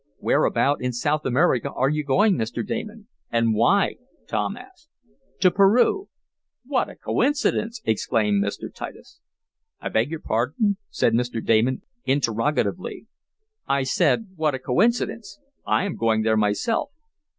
"Whereabout in South America are you going, Mr. Damon, and why?" Tom asked. "To Peru, Tom." "What a coincidence!" exclaimed Mr. Titus. "I beg your pardon?" said Mr. Damon, interrogatively. "I said what a coincidence. I am going there myself."